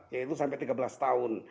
yaitu sampai tiga belas tahun